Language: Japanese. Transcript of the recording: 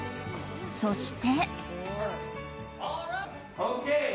そして。